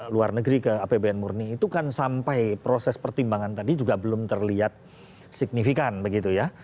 luar negeri ke apbn murni itu kan sampai proses pertimbangan tadi juga belum terlihat signifikan begitu ya